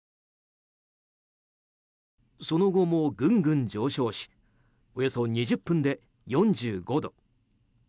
その後も、ぐんぐん上昇しおよそ２０分で４５度。